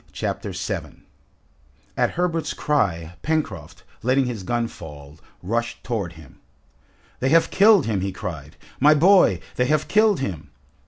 Chapter 7 At Herbert's cry, Pencroft, letting his gun fall, rushed towards him. "They have killed him!" he cried. "My boy! They have killed him!"